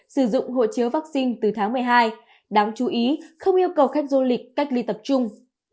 sử dụng hộ chiếu vaccine từ tháng một mươi hai đáng chú ý không yêu cầu khách du lịch cách ly tập trung